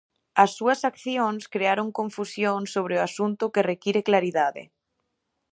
As súas accións crearon confusión sobre o asunto que require claridade.